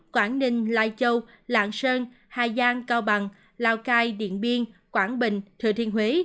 quảng ninh lai châu lạng sơn hà giang cao bằng lào cai điện biên quảng bình thừa thiên huế